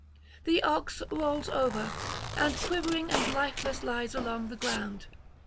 The ox rolls over, and quivering and [482 516]lifeless lies along the ground.